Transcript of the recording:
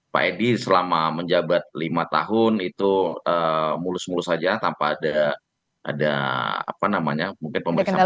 pak edi selama menjabat lima tahun itu mulus mulus saja tanpa ada apa namanya mungkin pemeriksaan